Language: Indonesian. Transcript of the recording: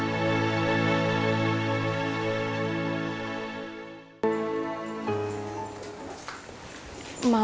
sampai jumpa lagi